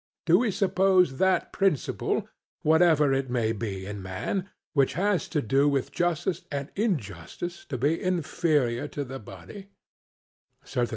Do we suppose that principle, whatever it may be in man, which has to do with justice and injustice, to be inferior to the body?